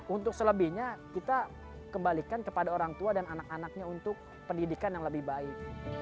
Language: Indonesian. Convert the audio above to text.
untuk selebihnya kita kembalikan kepada orang tua dan anak anaknya untuk pendidikan yang lebih baik